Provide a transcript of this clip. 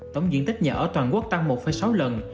tổng diện tích nhà ở toàn quốc tăng một sáu lần